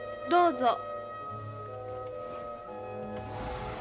どうぞ。